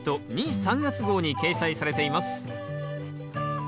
・３月号に掲載されています